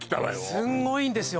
すんごいんですよ